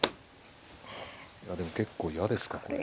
いやでも結構嫌ですかこれ。